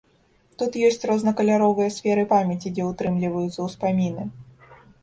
Тут ёсць рознакаляровыя сферы памяці, дзе ўтрымліваюцца ўспаміны.